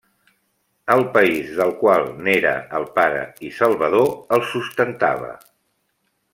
El país del qual n'era el pare i salvador el sustentava.